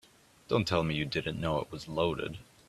Don't tell me you didn't know it was loaded.